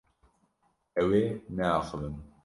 Ew ê neaxivin.